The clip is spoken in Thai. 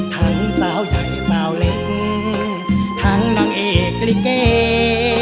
ทั้งสาวใหญ่สาวเล็กทั้งนางเอกลิเก